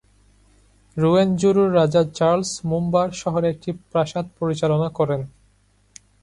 রুয়েনজুরুর রাজা চার্লস মুম্বার শহরে একটি প্রাসাদ পরিচালনা করেন।